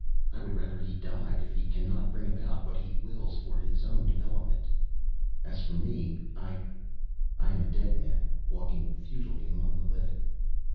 I would rather he died, if he cannot bring about what he wills for his own development. As for me, I ... I am a dead man walking futilely among the living."